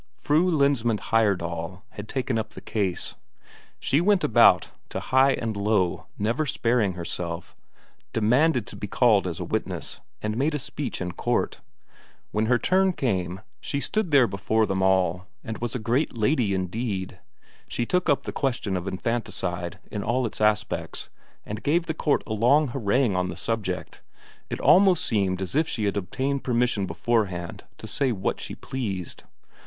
Fru Lensmand Heyerdahl had taken up the case. She went about to high and low, never sparing herself, demanded to be called as a witness, and made a speech in court. When her turn came, she stood there before them all and was a great lady indeed; she took up the question of infanticide in all its aspects, and gave the court a long harangue on the subject it almost seemed as if she had obtained permission beforehand to say what she pleased.